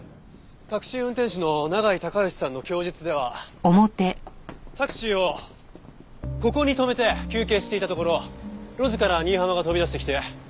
タクシー運転手の永井孝良さんの供述ではタクシーをここに止めて休憩していたところ路地から新浜が飛び出してきて。